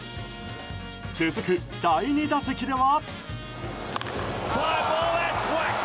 続く、第２打席では。